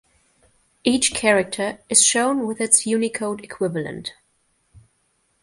Each character is shown with its Unicode equivalent.